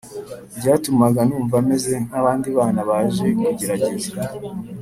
Byatumaga numva meze nk abandi bana Naje kugerageza